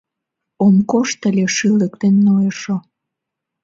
Ом кошт ыле шÿлык ден нойышо